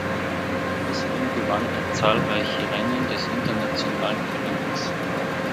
Außerdem gewann er zahlreiche Rennen des internationalen Kalenders.